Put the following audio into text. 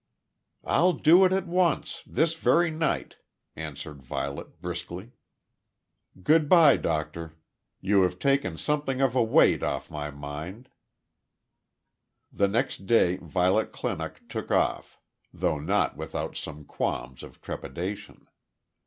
"I'll do it at once, this very night," answered Violet briskly. "Good bye, doctor. You have taken something of a weight off my mind." The next day Violet Clinock took "off," though not without some qualms of trepidation.